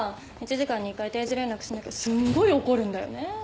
１時間に１回定時連絡しなきゃすんごい怒るんだよねぇ。